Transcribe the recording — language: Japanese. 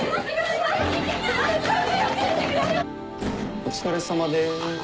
お疲れさまです。